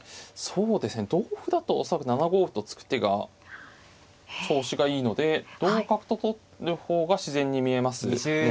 同歩だと恐らく７五歩と突く手が調子がいいので同角と取る方が自然に見えますね。